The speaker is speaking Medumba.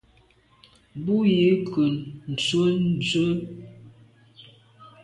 Bo yi nke nzwe zwe’.